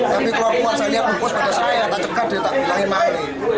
tapi kalau kuasa lihat bukus pada saya tak cekat dia tak bilangin mali